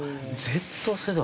Ｚ世代。